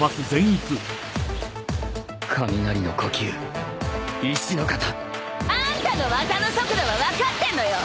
雷の呼吸壱ノ型あんたの技の速度は分かってんのよ！